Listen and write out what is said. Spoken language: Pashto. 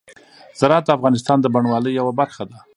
زراعت د افغانستان د بڼوالۍ یوه برخه ده.